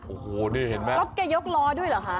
โอ้โหนี่เห็นไหมรถแกยกล้อด้วยเหรอคะ